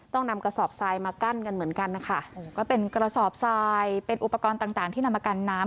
ต้องนำกระสอบทรายมากั้นกันเหมือนกันนะคะก็เป็นกระสอบทรายเป็นอุปกรณ์ต่างต่างที่นำมากันน้ำ